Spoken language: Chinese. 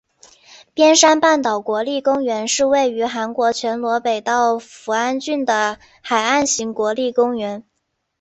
边山半岛国立公园是位于韩国全罗北道扶安郡的海岸型国立公园。